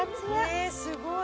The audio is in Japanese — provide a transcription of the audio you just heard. へえすごい。